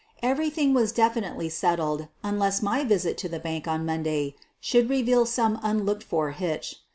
Everything was definitely settled unless my visit to the bank on Monday should reveal some unlooked for hitch.